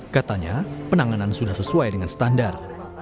katanya penanganan sudah sesuai dengan standar